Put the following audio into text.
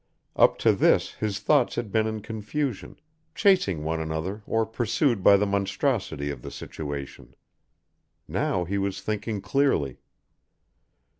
Up to this his thoughts had been in confusion, chasing one another or pursued by the monstrosity of the situation. Now he was thinking clearly.